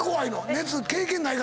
熱経験ないから。